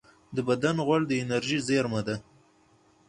د بدن غوړ د انرژۍ زېرمه ده